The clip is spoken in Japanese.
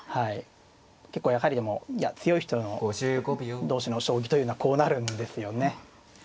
結構やはり強い人同士の将棋というのはこうなるんですよね。